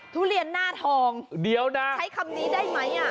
ทุเรียนหน้าทองเดี๋ยวนะใช้คำนี้ได้ไหมอ่ะ